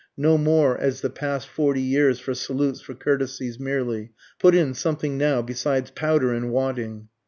(no more as the past forty years for salutes for courtesies merely, Put in something now besides powder and wadding.)